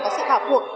có sự bảo cuộc